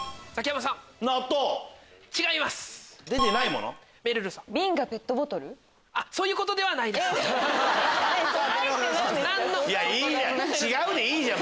「違う」でいいじゃん。